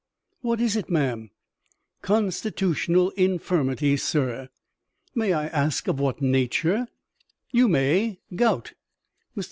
"What is it, ma'am?" "Constitutional infirmity, sir." "May I ask of what nature?" "You may. Gout." Mr.